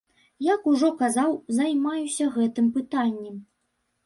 Як ужо казаў, займаюся гэтым пытаннем.